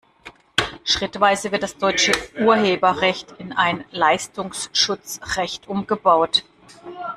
Schrittweise wird das deutsche Urheberrecht in ein Leistungsschutzrecht umgebaut.